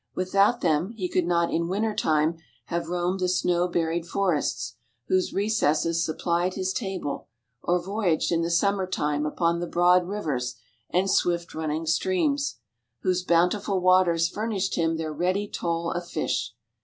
Without them he could not in winter time have roamed the snow buried forests, whose recesses supplied his table, or voyaged in the summer time upon the broad rivers and swift running streams, whose bountiful waters furnished him their ready toll of fish.